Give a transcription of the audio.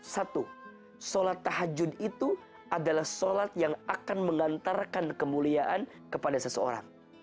satu sholat tahajud itu adalah sholat yang akan mengantarkan kemuliaan kepada seseorang